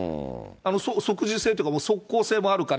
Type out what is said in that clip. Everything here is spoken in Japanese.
即時性というか、即効性もあるから。